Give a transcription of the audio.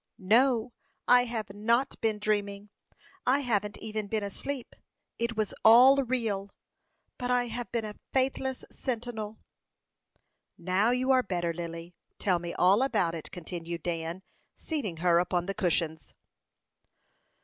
"No, I have not been dreaming. I haven't even been asleep. It was all real; but I have been a faithless sentinel." "Now you are better, Lily, tell me all about it," continued Dan, seating her upon the cushions.